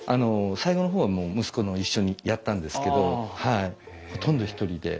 最後の方は息子も一緒にやったんですけどほとんど一人で。